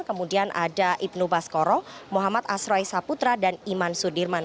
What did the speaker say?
kemudian ada ibnu baskoro muhammad asroi saputra dan iman sudirman